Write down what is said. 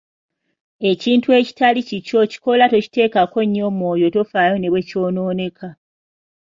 Ekintu ekitali kikyo okikola tokiteekako nnyo mwoyo tofaayo ne bwe kyonooneka.